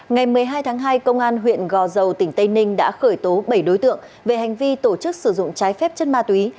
ngày một mươi hai tháng hai công an huyện gò dầu tỉnh tây ninh đã khởi tố bảy đối tượng về hành vi tổ chức sử dụng trái phép chất ma túy